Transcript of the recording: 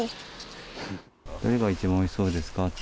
どれが一番おいしそうですか？